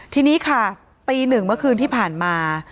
ทีนี้ค่ะตีหนึ่งเมื่อคืนที่ผ่านมา